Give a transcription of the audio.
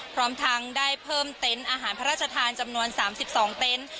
พร้อมทั้งได้เพิ่มเต็นต์อาหารพระราชทานจำนวน๓๒เต็นต์